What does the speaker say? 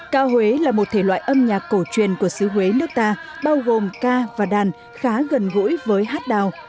ca huế là một thể loại âm nhạc cổ truyền của xứ huế nước ta bao gồm ca và đàn khá gần gũi với hát đào